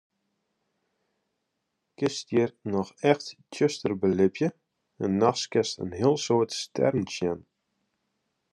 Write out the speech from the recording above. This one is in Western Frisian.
Kinst hjir noch echt tsjuster belibje en nachts kinst in heel soad stjerren sjen.